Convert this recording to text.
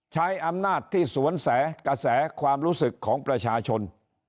ใช้อำนาจที่สวนแสกระแสกระแสความรู้สึกของประชาชน